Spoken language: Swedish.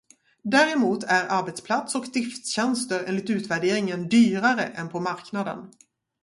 Däremot är arbetsplats- och driftstjänster enligt utvärderingen dyrare än på marknaden.